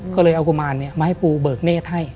ก็เลยเอากุมารมาให้ปูเบิกเนธให้